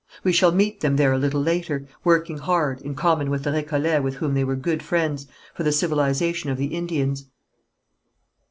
We shall meet them there a little later, working hard, in common with the Récollets with whom they were good friends, for the civilization of the Indians.